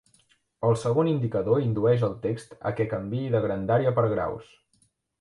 El segon indicador indueix al text a què canviï de grandària per graus.